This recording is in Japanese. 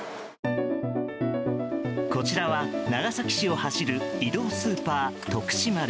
こちらは長崎市を走る移動スーパー「とくし丸」。